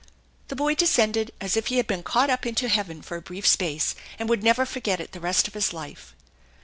The boy descended as if he had been caught up into heaven for a brief space, and would never forget it the rest of his life.